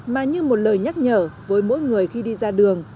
mà như một lời nhắc nhở với mỗi người khi đi ra đường